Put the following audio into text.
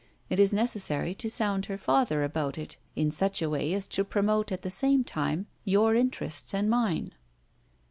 It is necessary to sound her father about it in such a way as to promote, at the same time, your interests and mine."